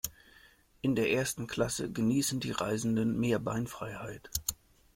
In der ersten Klasse genießen die Reisenden mehr Beinfreiheit.